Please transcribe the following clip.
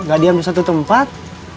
gak diam di satu tempat